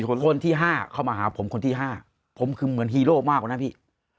คนที่๕เข้ามาหาผมคนที่๕ผมคือเหมือนฮีโร่มากกว่านะพี่